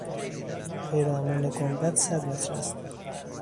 پیرامون گنبد صد متر است.